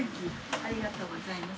ありがとうございます。